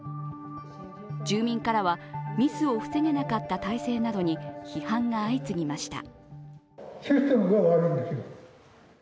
住民からは、ミスを防げなかった体制などに批判が相次ぎました。